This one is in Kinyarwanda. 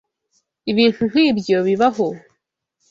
Ibintu nkibyo bibaho.